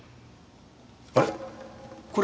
あれ？